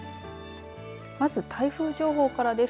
まず台風情報からです。